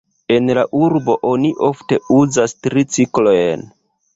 En la urbo oni ofte uzas triciklojn.